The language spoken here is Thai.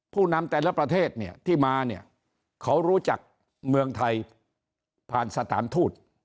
ผู้นำแต่ละประเทศเนี่ยที่มาเนี่ยเขารู้จักเมืองไทยผ่านสถานทูต